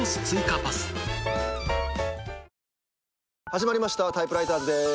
始まりました『タイプライターズ』です。